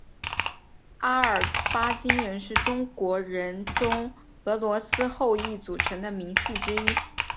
阿尔巴津人是中国人中俄罗斯后裔组成的民系之一。